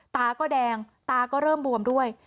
ตาก็แดงตาก็เริ่มบวมด้วย